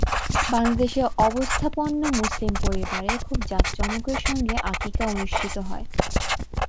বাংলাদেশে অবস্থাপন্ন মুসলিম পরিবারে খুব জাঁকজমকের সঙ্গে আকিকা অনুষ্ঠিত হয়।